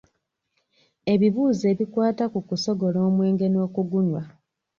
Ebibuuzo ebikwata ku kusogola omwenge n'okugunywa.